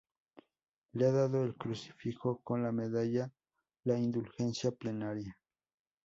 Le ha dado al crucifijo con la medalla la indulgencia plenaria.